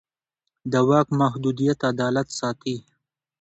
د واک محدودیت عدالت ساتي